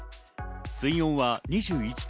水温は２１．５度。